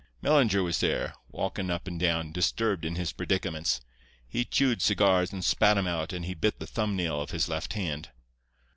Mellinger was there, walking up and down, disturbed in his predicaments. He chewed cigars and spat 'em out, and he bit the thumb nail of his left hand.